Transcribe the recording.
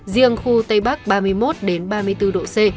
riêng khu tây bắc ba mươi một ba mươi bốn độ c